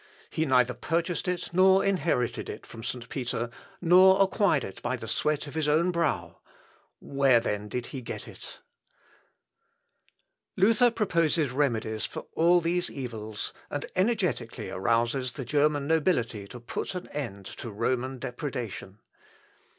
He neither purchased it nor inherited it from St. Peter, nor acquired it by the sweat of his own brow. Where then did he get it?" Luther proposes remedies for all these evils, and energetically arouses the German nobility to put an end to Roman depredation.